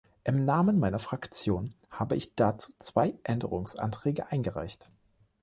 Im Namen meiner Fraktion habe ich dazu zwei Änderungsanträge eingereicht.